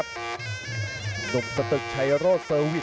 สวัสดิ์นุ่มสตึกชัยโลธสวัสดิ์